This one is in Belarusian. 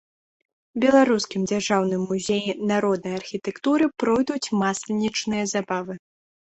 Беларускім дзяржаўным музеі народнай архітэктуры пройдуць масленічныя забавы.